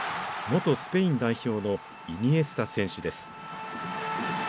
元スペイン代表のイニエスタ選手です。